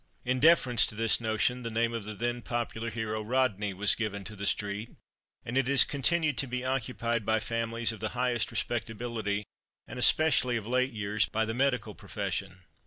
In deference to this notion, the name of the then popular hero, "Rodney," was given to the street; and it has continued to be occupied by families of the highest respectability, and especially of late years by the medical profession.